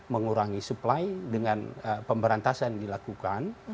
mengurangi supply dengan pemberantasan dilakukan